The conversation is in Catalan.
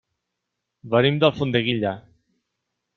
Venim d'Alfondeguilla.